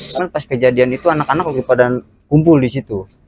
karena pas kejadian itu anak anak lupa dan kumpul di situ